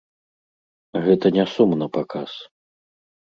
Гэта не сум напаказ.